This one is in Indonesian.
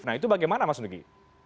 nah itu bagaimana mas nugi